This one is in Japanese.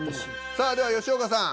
さあでは吉岡さん。